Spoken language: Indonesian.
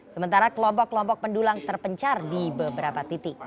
sementara kelompok kelompok pendulang terpencar di beberapa titik